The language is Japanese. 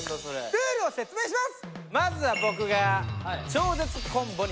ルールを説明します！